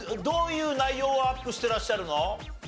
どういう内容をアップしてらっしゃるの？